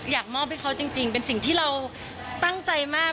อยากมอบให้เขาจริงเป็นสิ่งที่เราตั้งใจมาก